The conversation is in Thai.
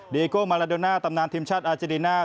โก้มาลาโดน่าตำนานทีมชาติอาเจดีน่า